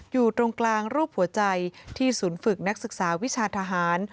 อยู่ตรงกลางรูปหัวใจที่ศูนย์ฝึกนักศึกษาวิชาทหาร